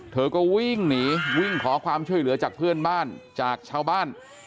เธอก็วิ่งหนีวิ่งขอความช่วยเหลือจากเพื่อนบ้านจากชาวบ้าน